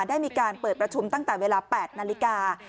ได้มีการเปิดประชุมตั้งแต่เวลา๘นาฬิกา